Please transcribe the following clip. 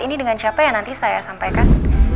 ini dengan siapa yang nanti saya sampaikan